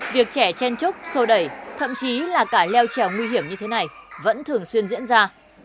việc trẻ chen trúc sô đẩy thậm chí là cả leo trèo nguy hiểm như thế này vẫn thường xuyên diễn ra